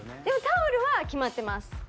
でもタオルは決まってます。